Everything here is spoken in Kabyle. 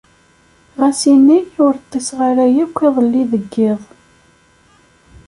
Ɣas ini ur ṭṭiseɣ ara yakk iḍelli deg iḍ.